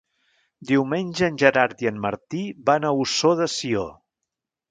Diumenge en Gerard i en Martí van a Ossó de Sió.